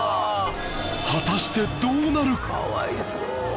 果たしてどうなる！？